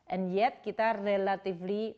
and yet kita relatif baik